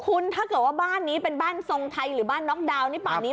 คุณถ้าเกิดว่าบ้านนี้เป็นบ้านทรงไทยหรือบ้านน็อกดาวน์นี่ป่านนี้